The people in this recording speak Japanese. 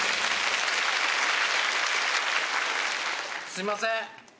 すいません